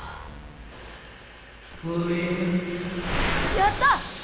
やった！